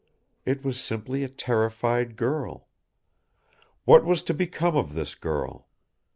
It was simply a terrified girl. What was to become of this girl?